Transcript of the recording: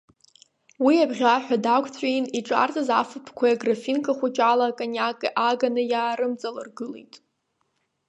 Уи абӷьааҳәа даақәҵәиин, иҿарҵаз афатәқәеи аграфинка хәыҷы ала акониаки ааганы иаарымҵалыргылеит.